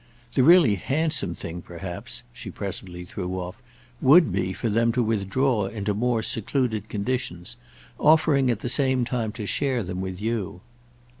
The really handsome thing perhaps," she presently threw off, "would be for them to withdraw into more secluded conditions, offering at the same time to share them with you."